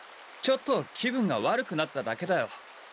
ちょっと気分が悪くなっただけだよ。